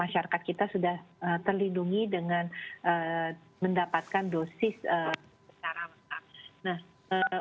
dan enam puluh masyarakat kita sudah terlindungi dengan mendapatkan dosis secara maksimal